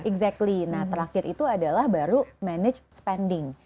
exactly nah terakhir itu adalah baru manage spending